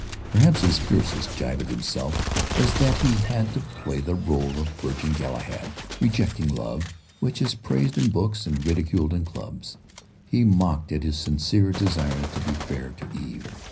Perhaps his fiercest gibe at himself was that he had had to play the rôle of virgin Galahad rejecting love, which is praised in books and ridiculed in clubs. He mocked at his sincere desire to be fair to Eve.